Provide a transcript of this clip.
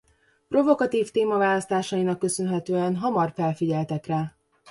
Provokatív témaválasztásainak köszönhetően hamar felfigyeltek rá.